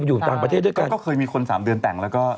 อยู่ต่างประเทศด้วยกันก็เคยมีคนสามเดือนแต่งแล้วก็